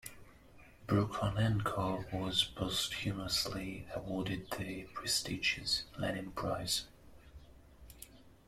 Brukhonenko was posthumously awarded the prestigious Lenin Prize.